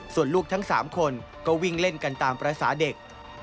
ส่วนลูกทั้ง๓คนก็วิ่งเล่นกันตามภาษาเด็ก